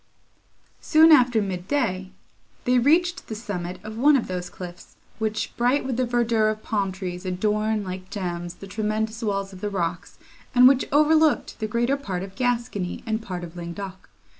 Soon after mid day, they reached the summit of one of those cliffs, which, bright with the verdure of palm trees, adorn, like gems, the tremendous walls of the rocks, and which overlooked the greater part of Gascony, and part of Languedoc.